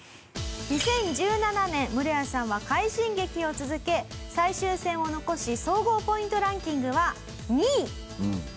２０１７年ムロヤさんは快進撃を続け最終戦を残し総合ポイントランキングは２位。